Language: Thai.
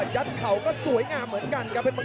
เขาก็สวยงามเหมือนกันครับ